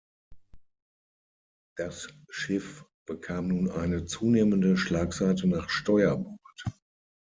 Das Schiff bekam nun eine zunehmende Schlagseite nach Steuerbord.